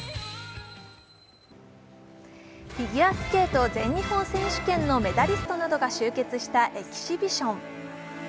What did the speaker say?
フィギュアスケート全日本選手権のメダリストなどが集結したエキシビション。